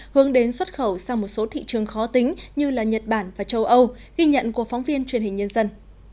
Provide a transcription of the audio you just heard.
hướng đến xuất khẩu sang một số thị trường khó tính như nhật bản và châu âu ghi nhận của phóng viên truyền hình nhân dân